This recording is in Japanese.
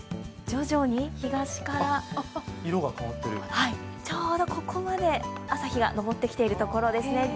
徐々に東から、ちょうどここまで朝日が昇ってきているところですね。